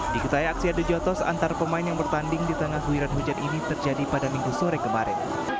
diketahui aksi adu jotos antar pemain yang bertanding di tengah guiran hujan ini terjadi pada minggu sore kemarin